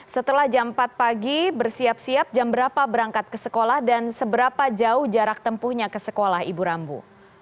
setelah jam empat pagi bersiap siap jam berapa berangkat ke sekolah dan seberapa jauh jarak tempuhnya ke sekolah ibu rambu